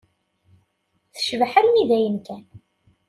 Tecbeḥ armi d ayen kan.